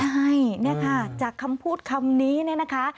ใช่เนี่ยค่ะจากคำพูดคำนี้เนี่ยนะคะ